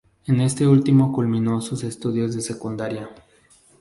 En este último culminó sus estudios de secundaria.